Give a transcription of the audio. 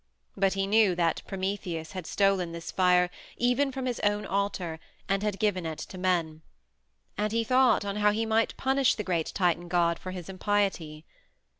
But he knew that Prometheus had stolen this fire even from his own altar and had given it to men. And he thought on how he might punish the great Titan god for his impiety.